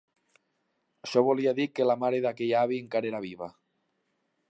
Això volia dir que la mare d'aquell avi encara era viva.